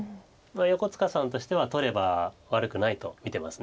横塚さんとしては取れば悪くないと見てます。